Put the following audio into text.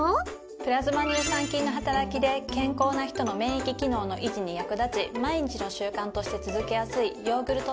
プラズマ乳酸菌の働きで健康な人の免疫機能の維持に役立ち毎日の習慣として続けやすいヨーグルト